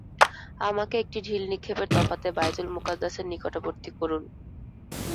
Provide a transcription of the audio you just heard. আমাকে একটি ঢিল নিক্ষেপের তফাতে বায়তুল মুকাদ্দাসের নিকটবর্তী করুন।